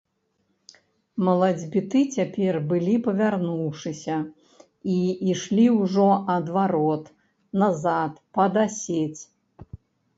Малацьбіты цяпер былі павярнуўшыся і ішлі ўжо ад варот, назад пад асець.